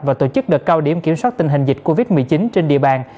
và tổ chức đợt cao điểm kiểm soát tình hình dịch covid một mươi chín trên địa bàn